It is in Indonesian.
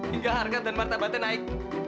hingga harga dan martabatnya naik